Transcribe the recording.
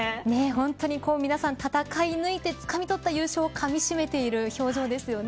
本当に皆さん、戦い抜いてつかみとった優勝をかみしめている表情ですよね。